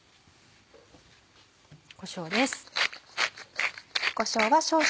こしょうです。